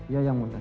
ya yang mulia